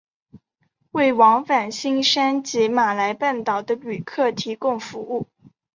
为往返新山及马来半岛的旅客提供服务。